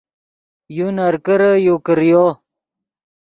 یو نرکرے یو کریو